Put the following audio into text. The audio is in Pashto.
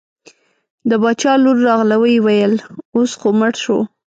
د باچا لور راغله وویل اوس خو مړ شو.